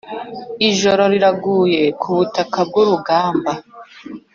ijoro riraguye kubutaka bwurugamba